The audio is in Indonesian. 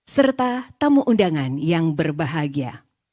serta tamu undangan yang berbahagia